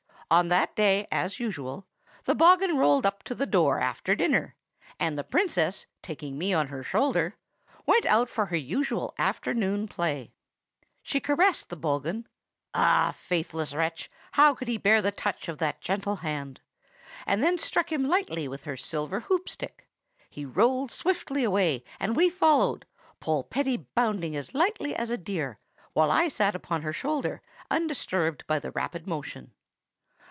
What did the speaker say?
On that day, as usual, the bogghun rolled up to the door after dinner, and the Princess, taking me on her shoulder, went out for her usual afternoon play. She caressed the bogghun,—ah! faithless wretch! how could he bear the touch of that gentle hand?—and then struck him lightly with her silver hoop stick; he rolled swiftly away, and we followed, Polpetti bounding as lightly as a deer, while I sat upon her shoulder, undisturbed by the rapid motion.